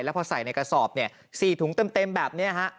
แล้วพอใส่ในกระสอบ๔ถุงเต็มแบบนี้ฮะ